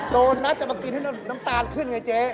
โดนัทจะมากินให้น้ำตาลขึ้นไงเจ๊